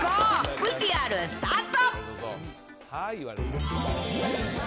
ＶＴＲスタート。